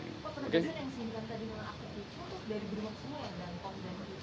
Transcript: pak tari yang sebelumnya tadi mengaku itu itu dari bumop semuanya